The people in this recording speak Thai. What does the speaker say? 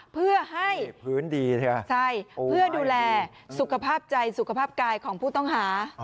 เพื่อดูแลสุขภาพใจสุขภาพกายของผู้ต้องหา